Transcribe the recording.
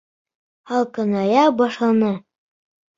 Һалҡыная башланы.